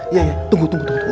iya iya tunggu tunggu tunggu